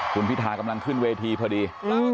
คุณพิทากำลังขึ้นเวทีพอดี